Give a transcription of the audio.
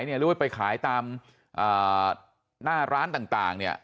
หรือว่าไปขายตามหน้าร้านต่าง